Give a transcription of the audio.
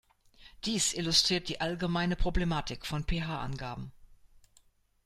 Dies illustriert die allgemeine Problematik von pH-Angaben.